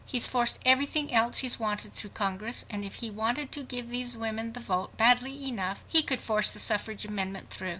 He's forced everything else he's wanted through Congress, and if he wanted to give these women the vote badly enough he could force the suffrage amendment through.